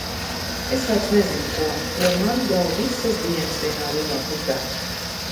Es vairs nezinu ko, jo man jau visas dienas vienā lielā putrā.